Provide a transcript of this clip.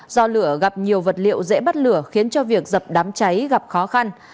do lửa gặp nhiều vật liệu dễ bắt lửa khiến cho việc dập đám cháy gặp khó khăn